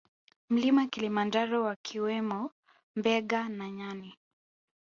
Mlima Kilimanjaro wakiwemo mbega na nyani